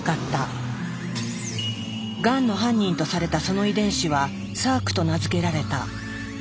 がんの犯人とされたその遺伝子は「サーク」と名付けられた。